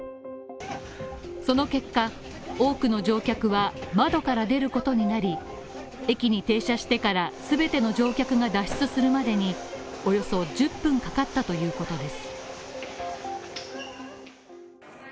その結果、多くの乗客は窓から出ることになり、駅に停車してから全ての乗客が脱出するまでにおよそ１０分かかったということです